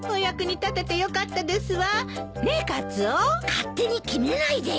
勝手に決めないでよ。